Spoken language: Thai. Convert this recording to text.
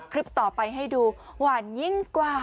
คลิปต่อไปให้ดูหวานยิ่งกว่า